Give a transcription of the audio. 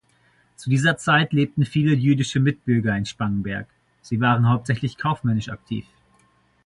Zu dieser Zeit lebten viele jüdische Mitbürger in Spangenberg, sie waren hauptsächlich kaufmännisch aktiv.